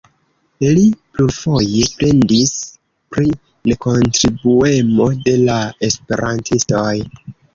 Li plurfoje plendis pri nekontribuemo de la esperantistoj.